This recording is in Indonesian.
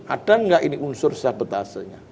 ada nggak ini unsur sabotasenya